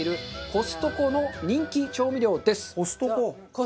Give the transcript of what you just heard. コストコ。